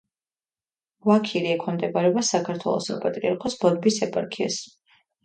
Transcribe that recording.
ვაქირი ექვემდებარება საქართველოს საპატრიარქოს ბოდბის ეპარქიას.